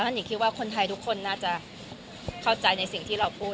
หนิงคิดว่าคนไทยทุกคนน่าจะเข้าใจในสิ่งที่เราพูด